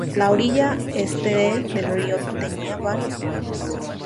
La orilla este del río tenía varios muelles.